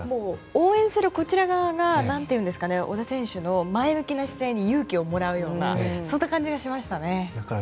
応援するこちら側が小田選手の前向きな姿勢に勇気をもらうようなそんな感じがしましたね。